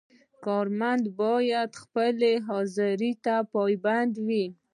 کارمند باید خپلې حاضرۍ ته پابند وي.